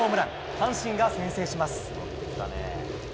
阪神が先制します。